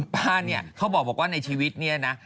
ป้าเนี่ยเขาบอกว่าในชีวิตเนี่ยนะ